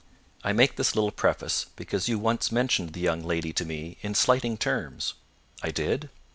I make this little preface, because you once mentioned the young lady to me in slighting terms." "I did?"